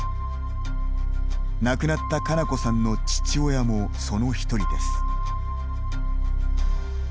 亡くなった佳菜子さんの父親もその１人です。